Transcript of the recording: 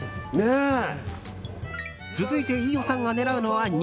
続いて飯尾さんが狙うのは肉。